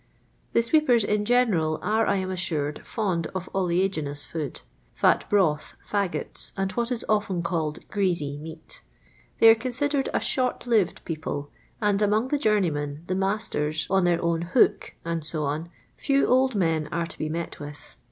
The sweepers in general are, I am assured, fond of oleaginous food ; fat broth, fagots, and what is often called " greasy" meat They are considered a short livd people, and among the joumcymeh, the'masters on their own hook," &c., few old men are to be met with.